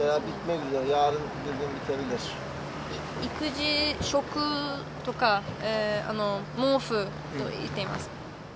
育児食とか毛布と言っています。